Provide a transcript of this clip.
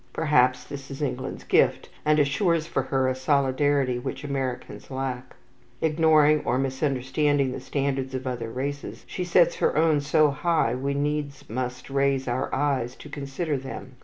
Perhaps this is England's gift, and insures for her a solidarity which Americans lack. Ignoring or misunderstanding the standards of other races, she sets her own so high we needs must raise our eyes to consider them.